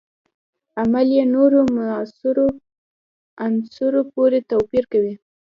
عمل یې نورو موثرو عناصرو پورې توپیر کوي.